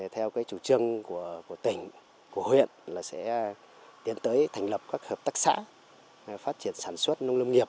theo chủ trương của tỉnh của huyện là sẽ tiến tới thành lập các hợp tác xã phát triển sản xuất nông lâm nghiệp